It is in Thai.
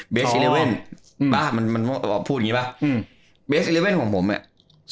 เบส๑๑อ่ะเบส๑๑ป่ะมันมันพูดอย่างงี้ป่ะอืมเบส๑๑ของผมเนี่ย